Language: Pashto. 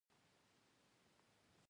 مه ځغله چی غوځار نه شی.